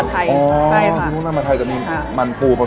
สวัสดีครับ